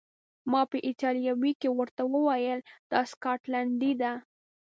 ما په ایټالوي کې ورته وویل: دا سکاټلنډۍ ده.